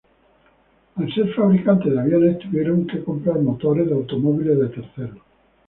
Al ser fabricantes de aviones, tuvieron que comprar motores de automóviles de terceros.